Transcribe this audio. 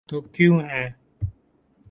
تو کیوں ہے؟